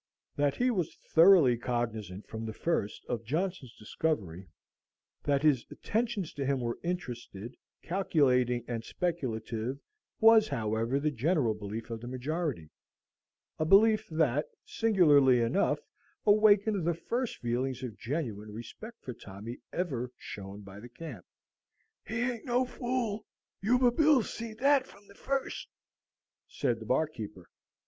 That he was thoroughly cognizant, from the first, of Johnson's discovery, that his attentions to him were interested, calculating, and speculative was, however, the general belief of the majority, a belief that, singularly enough, awakened the first feelings of genuine respect for Tommy ever shown by the camp. "He ain't no fool; Yuba Bill seed thet from the first," said the barkeeper.